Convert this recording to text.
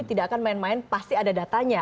tidak akan main main pasti ada datanya